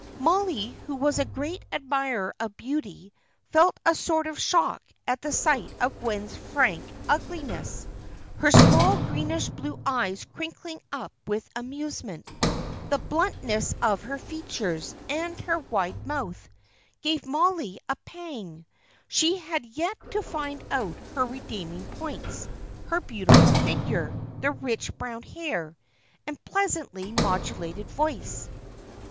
Mollie, who was a great admirer of beauty, felt a sort of shock at the sight of Gwen's frank ugliness; her small greenish blue eyes crinkling up with amusement, the bluntness of her features, and her wide mouth, gave Mollie a pang. She had yet to find out her redeeming points, her beautiful figure, the rich brown hair, and pleasantly modulated voice.